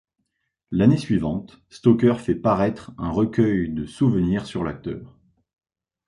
L'année suivante, Stoker fait paraître un recueil de souvenirs sur l'acteur, '.